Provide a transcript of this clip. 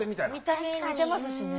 見た目似てますしね。